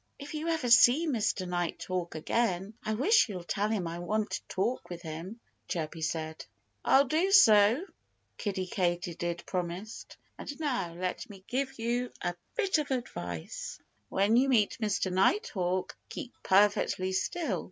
"If you ever see Mr. Nighthawk again I wish you'd tell him I want to talk with him," Chirpy said. "I'll do so," Kiddie Katydid promised. "And now let me give you a bit of advice. When you meet Mr. Nighthawk, keep perfectly still.